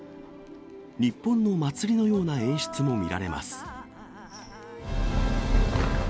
日本の祭りのような演出も見られます。